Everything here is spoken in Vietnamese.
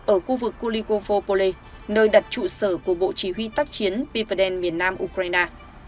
ở khu vực kulikovo pole nơi đặt trụ sở của bộ chỉ huy tác chiến pivoden miền nam ukraine